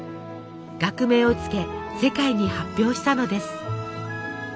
学名を付け世界に発表したのです。